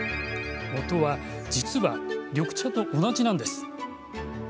もとは、実は緑茶と同じなんです。